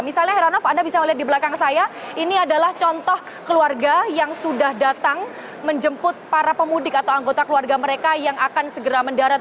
misalnya heranov anda bisa melihat di belakang saya ini adalah contoh keluarga yang sudah datang menjemput para pemudik atau anggota keluarga mereka yang akan segera mendarat